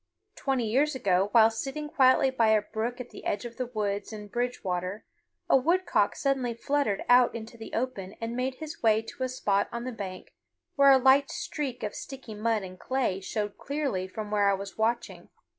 Twenty years ago, while sitting quietly by a brook at the edge of the woods in Bridgewater, a woodcock suddenly fluttered out into the open and made his way to a spot on the bank where a light streak of sticky mud and clay showed clearly from where I was watching.